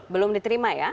belum diterima ya